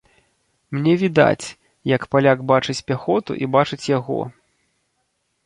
Мне відаць, як паляк бачыць пяхоту і бачыць яго.